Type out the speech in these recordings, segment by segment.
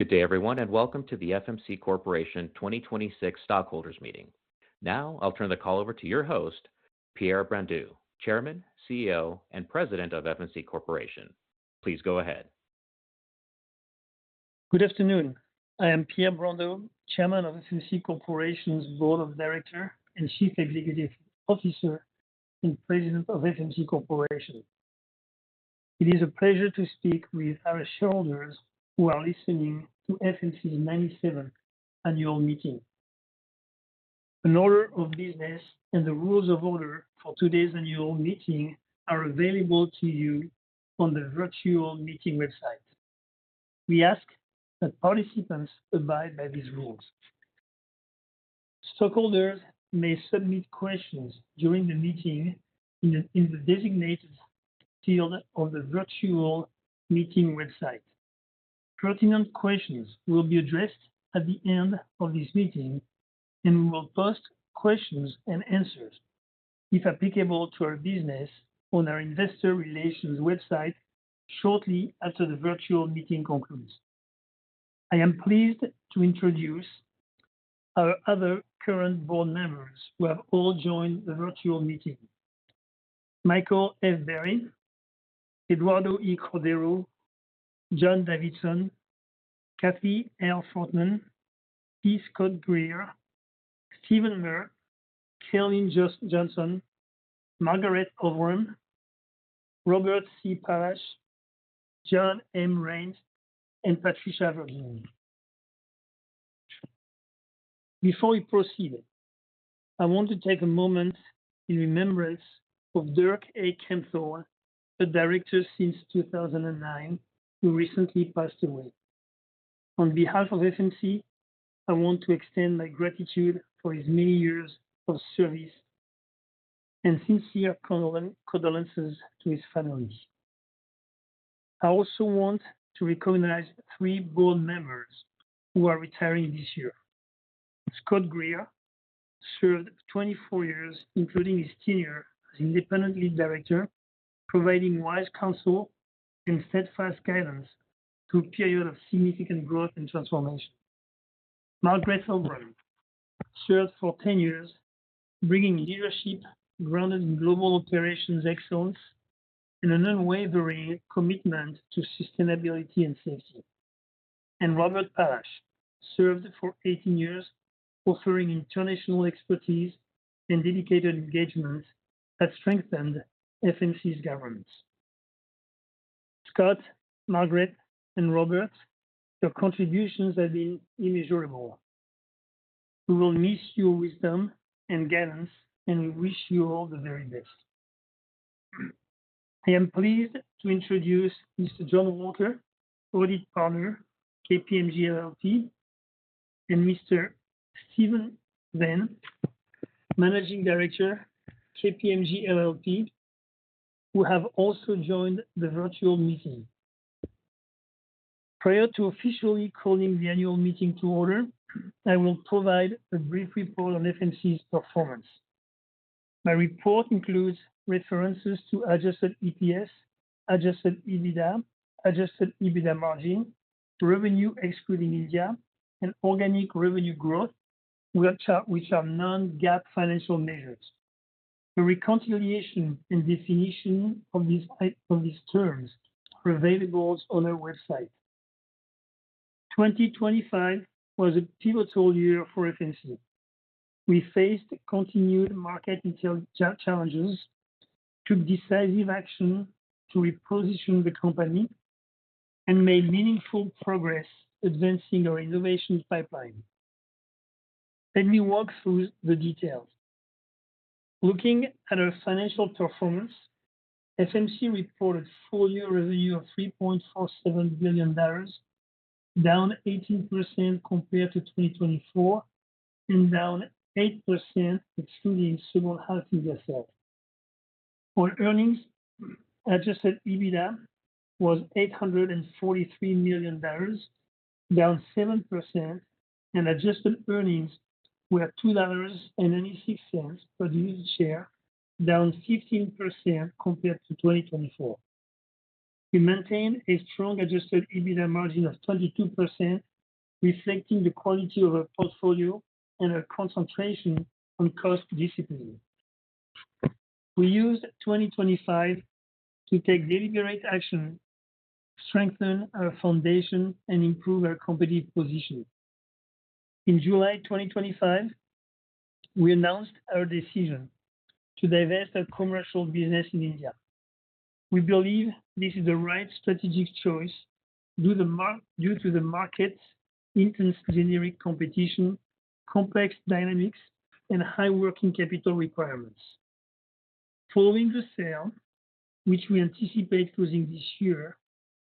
Good day, everyone, and welcome to the FMC Corporation 2026 stockholders' meeting. Now I'll turn the call over to your host, Pierre Brondeau, Chairman, CEO, and President of FMC Corporation. Please go ahead. Good afternoon. I am Pierre Brondeau, Chairman of FMC Corporation's Board of Director and Chief Executive Officer and President of FMC Corporation. It is a pleasure to speak with our shareholders who are listening to FMC's 97th annual meeting. An order of business and the rules of order for today's annual meeting are available to you on the virtual meeting website. We ask that participants abide by these rules. Stakeholders may submit questions during the meeting in the, in the designated field on the virtual meeting website. Pertinent questions will be addressed at the end of this meeting, and we will post questions and answers, if applicable to our business, on our investor relations website shortly after the virtual meeting concludes. I am pleased to introduce our other current board members who have all joined the virtual meeting. Michael F. Barry, Eduardo E. Cordeiro, John Davidson, Kathy L. Fortmann. Scott Greer, Steven Merkt, K'Lynne Johnson, Margareth Øvrum, Robert C. Pallash, John M. Raines, and Patricia Verduin. Before we proceed, I want to take a moment in remembrance of Dirk A. Kempthorne, a director since 2009, who recently passed away. On behalf of FMC, I want to extend my gratitude for his many years of service and sincere condolences to his family. I also want to recognize three board members who are retiring this year. Scott Greer served 24 years, including his tenure as Independent Lead Director, providing wise counsel and steadfast guidance through a period of significant growth and transformation. Margareth Øvrum served for 10 years, bringing leadership grounded in global operations excellence and an unwavering commitment to sustainability and safety. Robert Pallash served for 18 years offering international expertise and dedicated engagement that strengthened FMC's governance. Scott, Margaret, and Robert, your contributions have been immeasurable. We will miss your wisdom and guidance, and we wish you all the very best. I am pleased to introduce Mr. John Walker, Audit Partner, KPMG LLP, and Mr. Steven Venn, Managing Director, KPMG LLP, who have also joined the virtual meeting. Prior to officially calling the annual meeting to order, I will provide a brief report on FMC's performance. My report includes references to adjusted EPS, adjusted EBITDA, adjusted EBITDA margin, revenue excluding India, and organic revenue growth, which are non-GAAP financial measures. A reconciliation and definition of these terms are available on our website. 2025 was a pivotal year for FMC. We faced continued market challenges, took decisive action to reposition the company, and made meaningful progress advancing our innovation pipeline. Let me walk through the details. Looking at our financial performance, FMC reported full year revenue of $3.47 billion, down 18% compared to 2024 and down 8% excluding [Civil Health USL]. For earnings, adjusted EBITDA was $843 million, down 7%, and adjusted earnings were $2.96 per share, down 15% compared to 2024. We maintain a strong adjusted EBITDA margin of 22%, reflecting the quality of our portfolio and our concentration on cost discipline. We used 2025 to take deliberate action, strengthen our foundation, and improve our competitive position. In July 2025, we announced our decision to divest our commercial business in India. We believe this is the right strategic choice due to the market's intense generic competition, complex dynamics, and high working capital requirements. Following the sale, which we anticipate closing this year,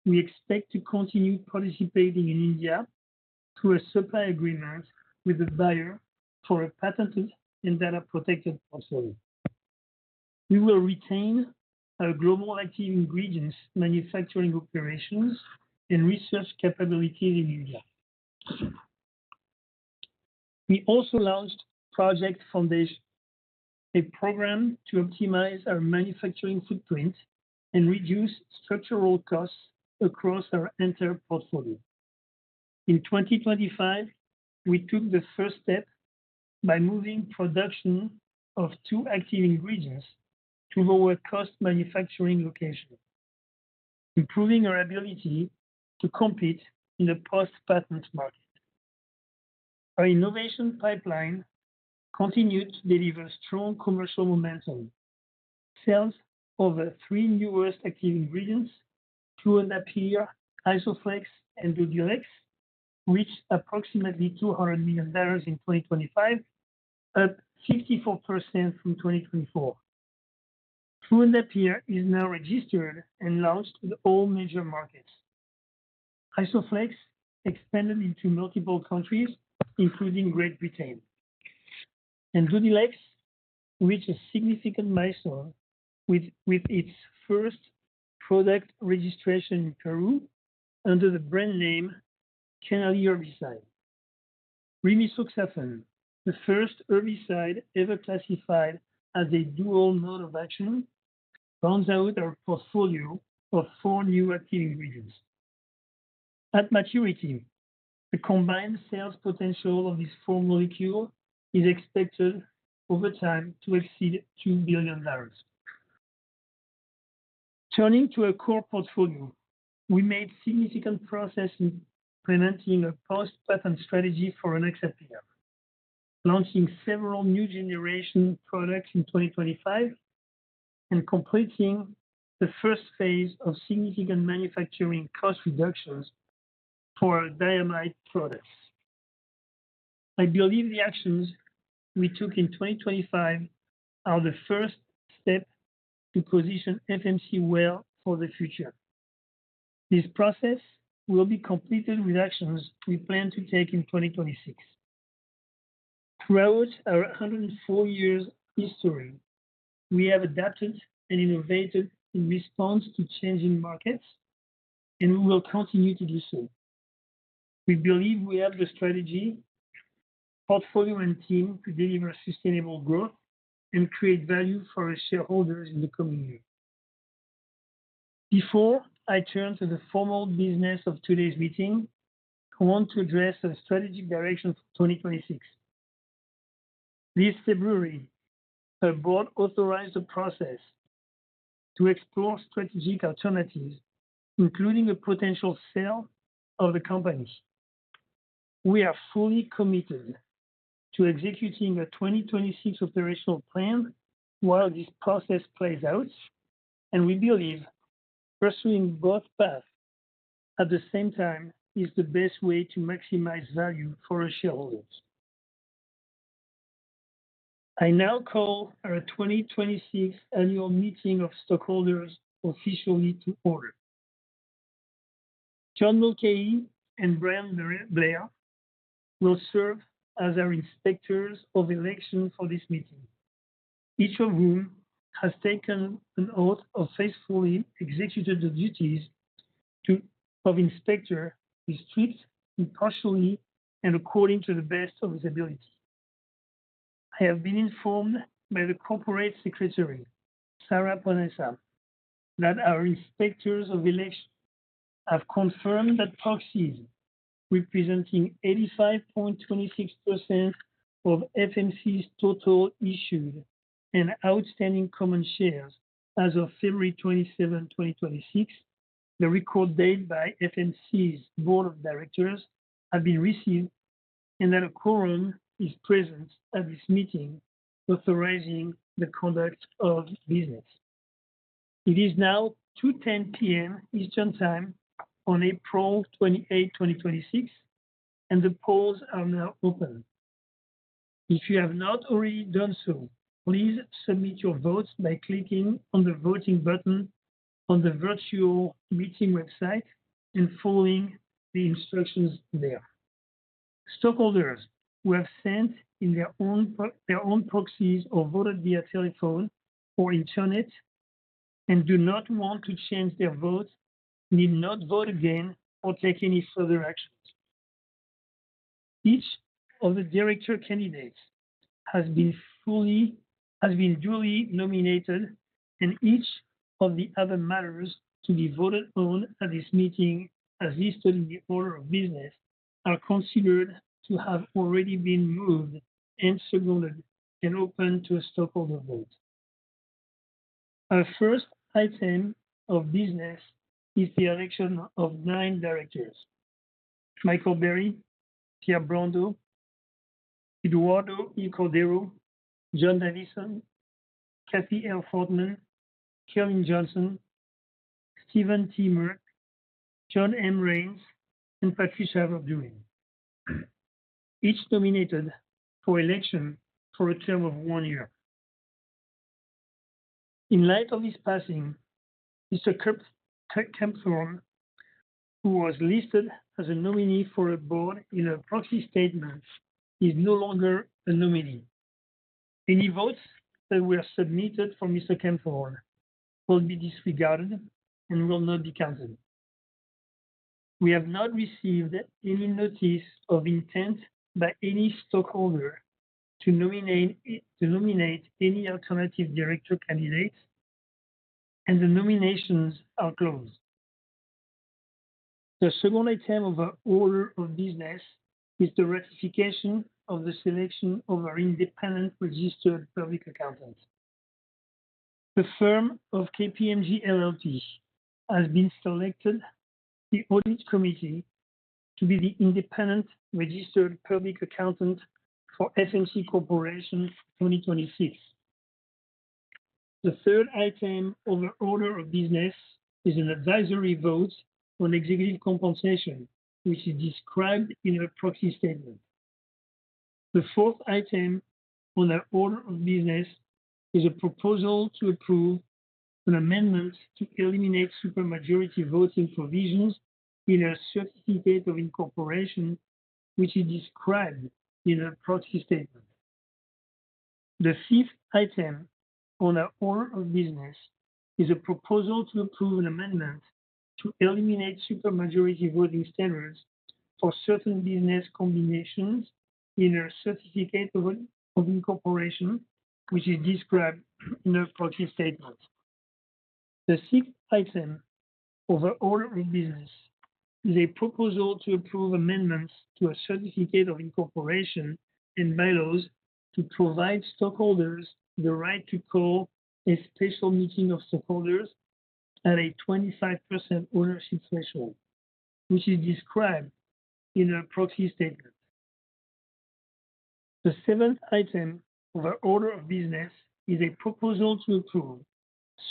we expect to continue participating in India through a supply agreement with the buyer for our patented and data protected portfolio. We will retain our global active ingredients manufacturing operations and research capability in India. We also launched Project Foundation, a program to optimize our manufacturing footprint and reduce structural costs across our entire portfolio. In 2025, we took the first step by moving production of two active ingredients to lower cost manufacturing locations, improving our ability to compete in a post-patent market. Our innovation pipeline continued to deliver strong commercial momentum. Sales of our three newest active ingredients, fluindapyr, Isoflex, and Dodhylex, reached approximately $200 million in 2025, up 54% from 2024. Fluindapyr is now registered and launched in all major markets. Isoflex expanded into multiple countries, including Great Britain. Dodhylex reached a significant milestone with its first product registration in Peru under the brand name Keenali herbicide. Rimisoxafen, the first herbicide ever classified as a dual mode of action, rounds out our portfolio of four new active ingredients. At maturity, the combined sales potential of these four molecules is expected over time to exceed $2 billion. Turning to our core portfolio, we made significant progress in implementing a post-patent strategy for our accepted year, launching several new generation products in 2025 and completing the first phase of significant manufacturing cost reductions for our diamide products. I believe the actions we took in 2025 are the first step to position FMC well for the future. This process will be completed with actions we plan to take in 2026. Throughout our 104 years history, we have adapted and innovated in response to changing markets, and we will continue to do so. We believe we have the strategy, portfolio, and team to deliver sustainable growth and create value for our shareholders in the coming years. Before I turn to the formal business of today's meeting, I want to address our strategic direction for 2026. This February, our board authorized a process to explore strategic alternatives, including a potential sale of the company. We are fully committed to executing our 2026 operational plan while this process plays out, and we believe pursuing both paths at the same time is the best way to maximize value for our shareholders. I now call our 2026 annual meeting of stockholders officially to order. John McCain and Brian Blair will serve as our inspectors of election for this meeting, each of whom has taken an oath of faithfully executing the duties of inspector with strict impartiality and according to the best of his ability. I have been informed by the Corporate Secretary, Sara Ponessa, that our inspectors of election have confirmed that proxies representing 85.26% of FMC's total issued and outstanding common shares as of February 27, 2026, the record date by FMC's Board of Directors, have been received, and that a quorum is present at this meeting authorizing the conduct of business. It is now 2:10 P.M. Eastern Time on April 28, 2026, and the polls are now open. If you have not already done so, please submit your votes by clicking on the voting button on the virtual meeting website and following the instructions there. Stockholders who have sent in their own proxies or voted via telephone or Internet and do not want to change their votes need not vote again or take any further actions. Each of the director candidates has been duly nominated, and each of the other matters to be voted on at this meeting, as listed in the order of business, are considered to have already been moved and seconded and open to a stockholder vote. Our first item of business is the election of nine directors, Michael Barry, Pierre Brondeau, Eduardo E. Cordeiro, John Davidson, Kathy L. Fortmann, K'Lynne Johnson, Steven T. Merkt, John M. Raines, and Patricia Verduin, each nominated for election for a term of one year. In light of his passing, Mr. Dirk A. Kempthorne, who was listed as a nominee for our board in our proxy statement, is no longer a nominee. Any votes that were submitted for Mr. Kempthorne will be disregarded and will not be counted. We have not received any notice of intent by any stockholder to nominate any alternative director candidates. The nominations are closed. The second item on our order of business is the ratification of the selection of our independent registered public accountants. The firm of KPMG LLP has been selected the Audit Committee to be the independent registered public accountant for FMC Corporation 2026. The third item on our order of business is an advisory vote on executive compensation, which is described in our proxy statement. The fourth item on our order of business is a proposal to approve an amendment to eliminate super majority voting provisions in our certificate of incorporation, which is described in our proxy statement. The fifth item on our order of business is a proposal to approve an amendment to eliminate super majority voting standards for certain business combinations in our certificate of incorporation, which is described in our proxy statement. The sixth item on our order of business is a proposal to approve amendments to our certificate of incorporation and bylaws to provide stockholders the right to call a special meeting of stockholders at a 25% ownership threshold, which is described in our proxy statement. The seventh item on our order of business is a proposal to approve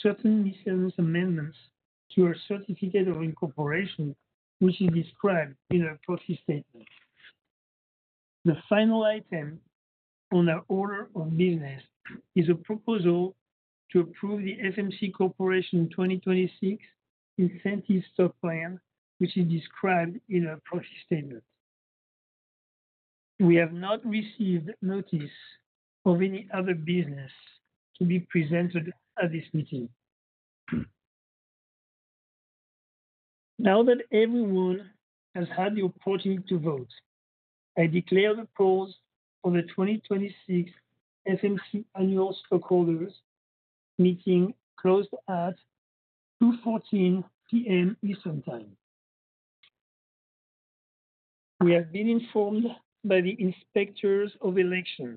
certain miscellaneous amendments to our certificate of incorporation, which is described in our proxy statement. The final item on our order of business is a proposal to approve the FMC Corporation 2026 Incentive Stock Plan, which is described in our proxy statement. We have not received notice of any other business to be presented at this meeting. Now that everyone has had the opportunity to vote, I declare the polls for the 2026 FMC Annual Stockholders Meeting closed at 2:14 P.M. Eastern Time. We have been informed by the inspectors of election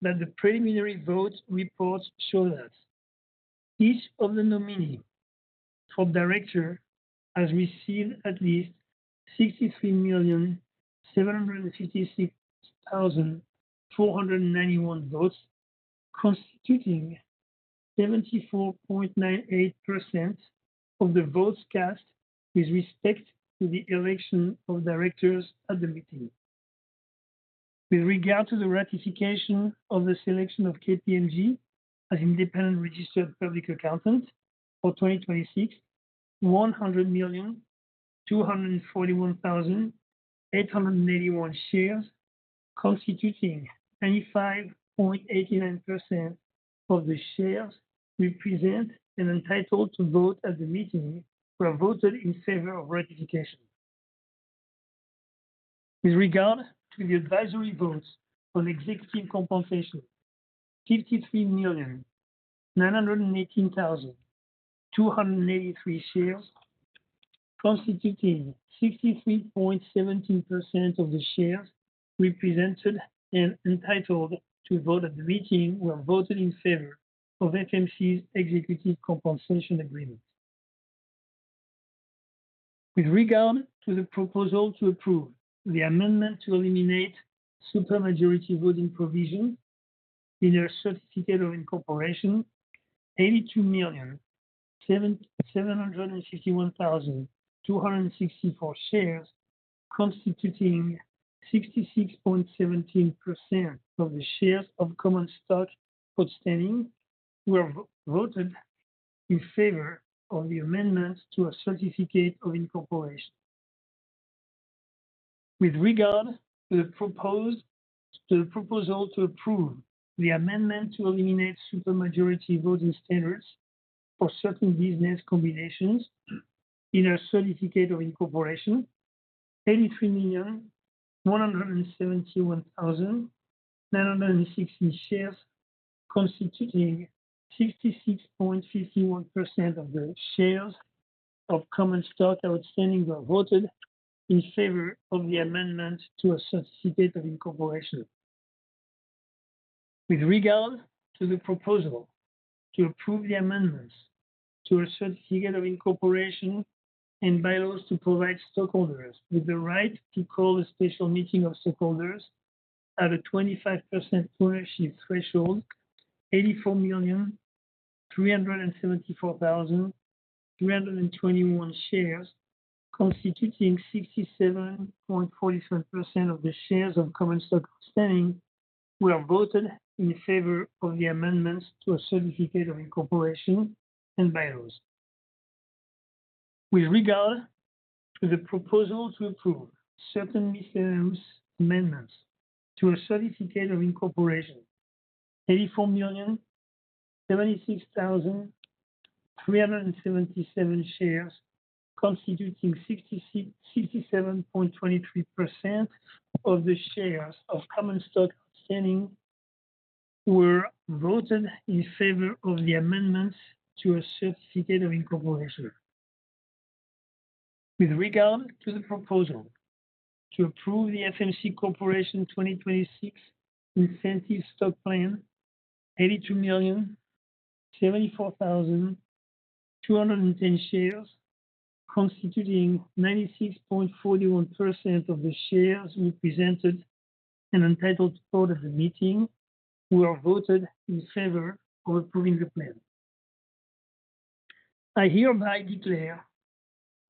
that the preliminary vote reports show that each of the nominee for director has received at least 63,756,491 votes, constituting 74.98% of the votes cast with respect to the election of directors at the meeting. With regard to the ratification of the selection of KPMG as independent registered public accountant for 2026, 100,241,881 shares, constituting 95.89% of the shares represented and entitled to vote at the meeting were voted in favor of ratification. With regard to the advisory votes on executive compensation, 53,918,283 shares, constituting 63.17% of the shares represented and entitled to vote at the meeting were voted in favor of FMC's executive compensation agreement. With regard to the proposal to approve the amendment to eliminate super majority voting provision in our certificate of incorporation, 82,761,264 shares, constituting 66.17% of the shares of common stock outstanding were voted in favor of the amendments to our certificate of incorporation. With regard to the proposal to approve the amendment to eliminate super majority voting standards for certain business combinations in our certificate of incorporation, 83,171,960 shares, constituting 66.51% of the shares of common stock outstanding, were voted in favor of the amendment to our certificate of incorporation. With regard to the proposal to approve the amendments to our certificate of incorporation and bylaws to provide stockholders with the right to call a special meeting of stockholders at a 25% ownership threshold, 84,374,321 shares, constituting 67.47% of the shares of common stock outstanding, were voted in favor of the amendments to our certificate of incorporation and bylaws. With regard to the proposal to approve certain miscellaneous amendments to our certificate of incorporation. 84,076,377 shares constituting 67.23% of the shares of common stock outstanding were voted in favor of the amendments to our certificate of incorporation. With regard to the proposal to approve the FMC Corporation 2026 Incentive Stock Plan, 82,074,210 shares constituting 96.41% of the shares represented and entitled to vote at the meeting were voted in favor of approving the plan. I hereby declare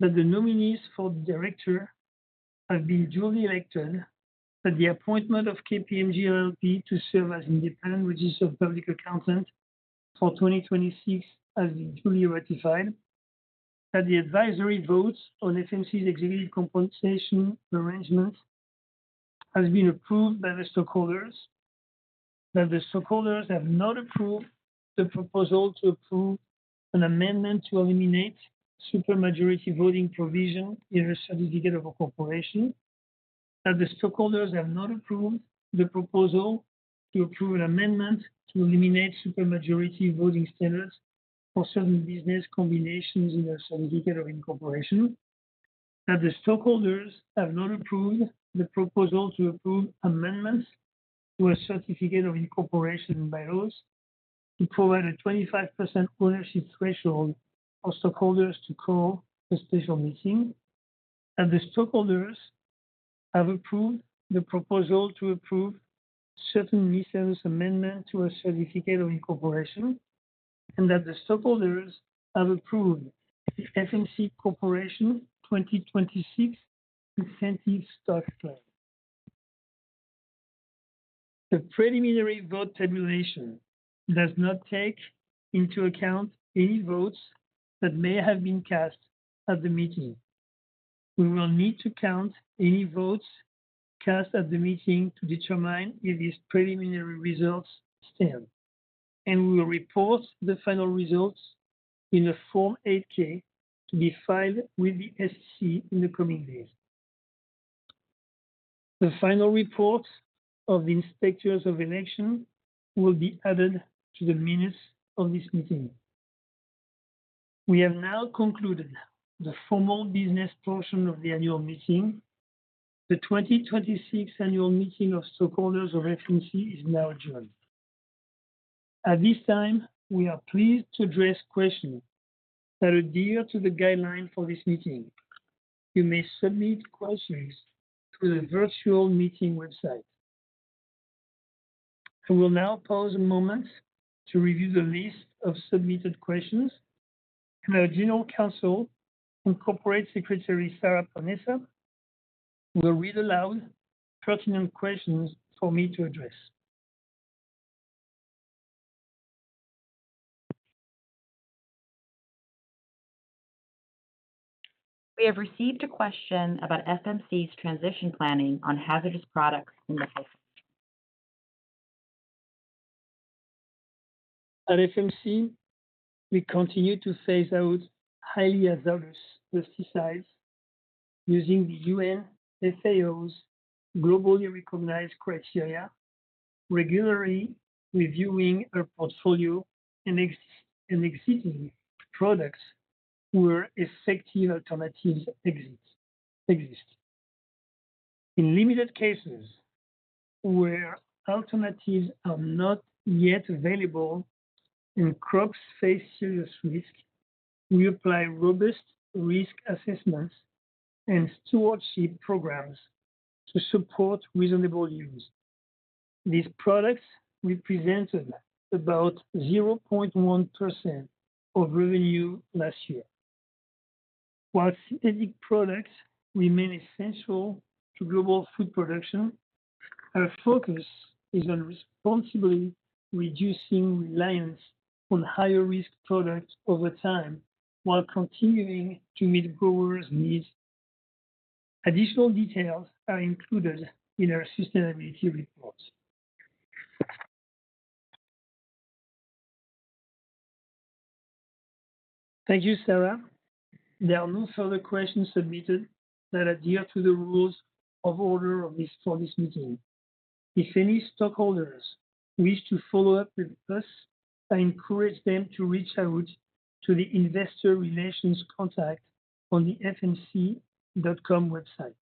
that the nominees for the director have been duly elected, that the appointment of KPMG LLP to serve as independent registered public accountant for 2026 has been duly ratified, that the advisory votes on FMC's executive compensation arrangement has been approved by the stockholders, that the stockholders have not approved the proposal to approve an amendment to eliminate super majority voting provision in our certificate of incorporation, that the stockholders have not approved the proposal to approve an amendment to eliminate super majority voting standards for certain business combinations in our certificate of incorporation. That the stockholders have not approved the proposal to approve amendments to our certificate of incorporation in bylaws to provide a 25% ownership threshold for stockholders to call a special meeting, that the stockholders have approved the proposal to approve certain recent amendments to our certificate of incorporation, and that the stockholders have approved the FMC Corporation 2026 Incentive Stock Plan. The preliminary vote tabulation does not take into account any votes that may have been cast at the meeting. We will need to count any votes cast at the meeting to determine if these preliminary results stand, and we will report the final results in a Form 8-K to be filed with the SEC in the coming days. The final report of the inspectors of election will be added to the minutes of this meeting. We have now concluded the formal business portion of the annual meeting. The 2026 annual meeting of stockholders of FMC is now adjourned. At this time, we are pleased to address questions that adhere to the guideline for this meeting. You may submit questions through the virtual meeting website. I will now pause a moment to review the list of submitted questions, and our General Counsel and Corporate Secretary, Sara Ponessa, will read aloud pertinent questions for me to address. We have received a question about FMC's transition planning on hazardous products [in the health]. At FMC, we continue to phase out highly hazardous pesticides using the FAO's globally recognized criteria, regularly reviewing our portfolio and existing products where effective alternatives exist. In limited cases where alternatives are not yet available and crops face serious risk, we apply robust risk assessments and stewardship programs to support reasonable use. These products represented about 0.1% of revenue last year. While synthetic products remain essential to global food production, our focus is on responsibly reducing reliance on higher risk products over time while continuing to meet growers' needs. Additional details are included in our sustainability reports. Thank you, Sara. There are no further questions submitted that adhere to the rules of order for this meeting. If any stockholders wish to follow up with us, I encourage them to reach out to the investor relations contact on the fmc.com website.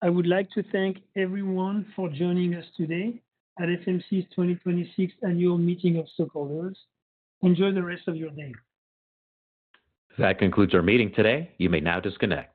I would like to thank everyone for joining us today at FMC's 2026 annual meeting of stockholders. Enjoy the rest of your day. That concludes our meeting today. You may now disconnect.